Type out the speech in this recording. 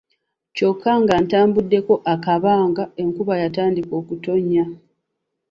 Kyokka ng'atambuddeko akabanga enkuba yatandika okutonnya.